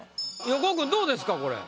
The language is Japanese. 横尾君どうですか？